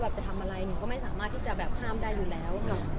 ไปทำรุ่นอะไรเราก็ไม่ทรมานที่จะห้ามได้อยู่แล้ว